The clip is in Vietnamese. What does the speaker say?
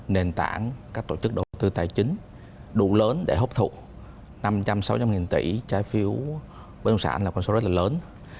nền tảng các tổ chức đầu tư tài chính đủ lớn để hấp thụ năm trăm linh sáu trăm linh nghìn tỷ trái phiếu bất động sản là con số rất là lớn